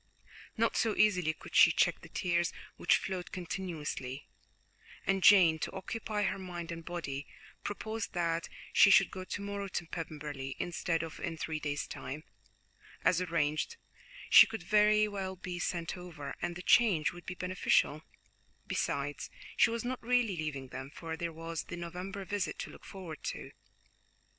Not so easily could she check the tears which flowed continuously, and Jane, to occupy her mind and body, proposed that she should go to morrow to Pemberley, instead of in three days' time, as arranged; she could very well be sent over, and the change would be beneficial; besides, she was not really leaving them, for there was the November visit to look forward to.